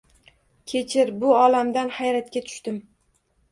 Kechir, bu olamdan hayratga tushdim